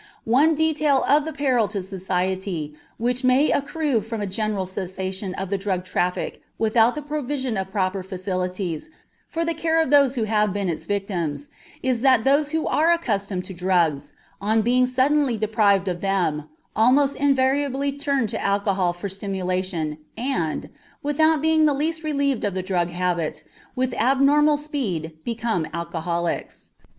One detail of the peril to society which may accrue from a general cessation of the drug traffic without the provision of proper facilities for the care of those who have been its victims is that those who are accustomed to drugs, on being suddenly deprived of them, almost invariably turn to alcohol for stimulation and, without being the least relieved of the drug habit, with abnormal speed become alcoholics.